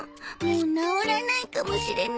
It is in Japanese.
もう治らないかもしれない。